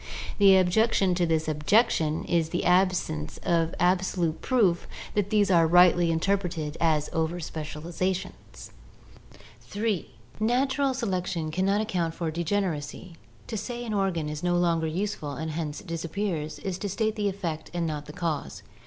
The objection to this objection is the absence of ab solute proof that these are rightly interpreted as over specializa tions. (3) Natural selection can not account for degeneracy. To say an organ is no longer useful and hence disappears, is to state the effect and not the cause.